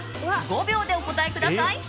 ５秒でお答えください。